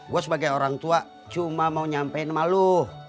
gue sebagai orang tua cuma mau nyampein sama lo